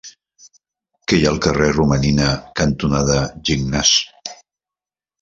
Què hi ha al carrer Romaninar cantonada Gignàs?